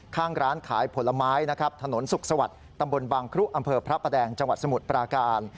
ข้างร้านขายผลไม้ถนนสุขสวัดตำบลบังคลุอพระประแดงจสมุทรปราการ